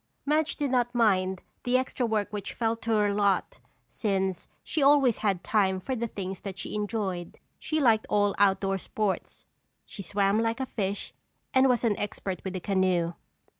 Madge did not mind the extra work which fell to her lot since she always had time for the things she enjoyed. She liked all outdoor sports. She swam like a fish and was an expert with a canoe.